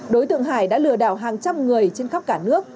đối tượng hải đã lừa đảo hàng trăm người trên khắp cả nước